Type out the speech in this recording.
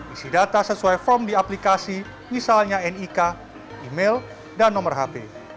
isi data sesuai form di aplikasi misalnya nik email dan nomor hp